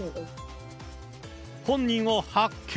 本人を発見。